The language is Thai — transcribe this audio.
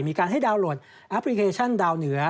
มีการให้ดาวนโหลดแอปพลิเคชันดาวเหนือ